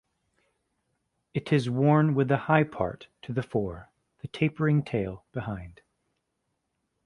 It is worn with the high part to the fore, the tapering tail behind.